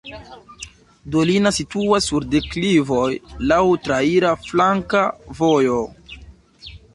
Dolina situas sur deklivoj, laŭ traira flanka vojo.